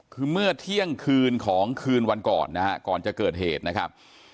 คือเมื่อเที่ยงคืนของคืนวันก่อนนะฮะก่อนจะเกิดเหตุนะครับ